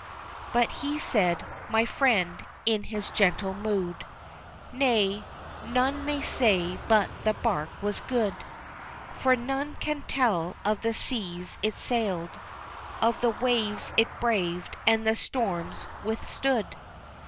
But he said, my friend, in his gentle mood, "Nay, none may say but the barque was good, For none can tell of the seas it sailed, Of the waves it braved and the storms withstood."